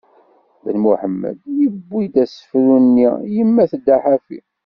Ben Muḥemmed, yewwi-d asefru-nni "Yemma tedda ḥafi".